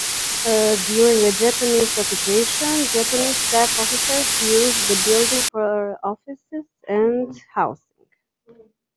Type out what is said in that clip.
During the Japanese occupation, Japanese staff officers used the building for offices and housing.